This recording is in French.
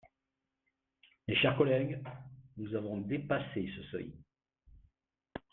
Mes chers collègues, nous avons dépassé ce seuil.